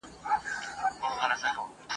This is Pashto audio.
او فلسفیان پنځېدلي وای